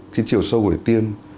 cái chiều sâu của tiêm